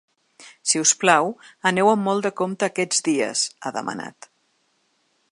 Si us plau, aneu amb molt de compte aquests dies, ha demanat.